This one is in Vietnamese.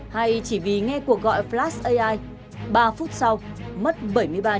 hay chỉ vì nghe cuộc gọi flash ai ba phút sau mất bảy mươi ba triệu đồng